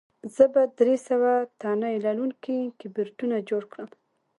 زه به درې سوه تڼۍ لرونکي کیبورډونه جوړ کړم